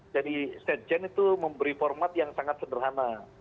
jadi stadgen itu memberi format yang sangat sederhana